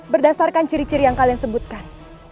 berdasarkan ciri ciri yang kalian sebutkan